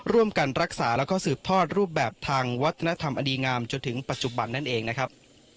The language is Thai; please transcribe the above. ร่วมกันรักษาแล้วก็สืบทอดรูปแบบทางวัฒนธรรมอดีงามจนถึงปัจจุบันนั่นเองนะครับ